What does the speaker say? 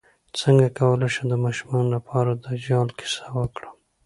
څنګه کولی شم د ماشومانو لپاره د دجال کیسه وکړم